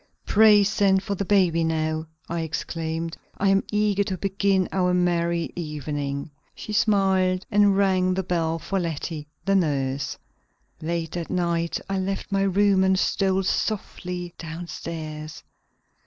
"Pray send for the baby now," I exclaimed. "I am eager to begin our merry evening." She smiled and rang the bell for Letty, the nurse. Late that night I left my room and stole softly down stairs.